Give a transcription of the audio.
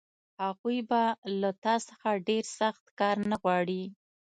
هغوی به له تا څخه ډېر سخت کار نه غواړي